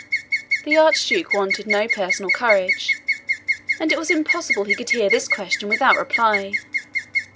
The Archduke wanted not personal courage, and it was impossible he could hear this question without reply.